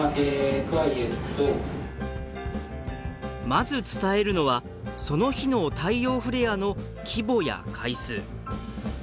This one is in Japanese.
まず伝えるのはその日の太陽フレアの規模や回数。